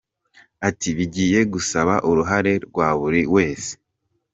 Ati “Bigiye gusaba uruhare rwa buri wese.